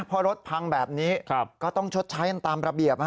พอรถพังแบบนี้ก็ต้องชดใช้กันตามระเบียบ